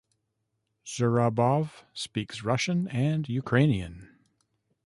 Zurabov speaks Russian and Ukrainian.